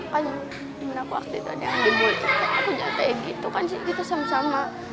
kan di mana waktu itu aku jatuhnya gitu kan sih kita sama sama